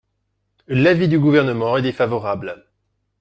L’avis du Gouvernement est défavorable.